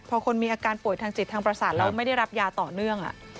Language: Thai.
พอคนมีอาการป่วยทางจิตทางประสาทแล้วไม่ได้รับยาต่อเนื่อง